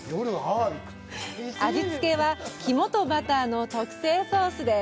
味付けは肝とバターの特製ソースです。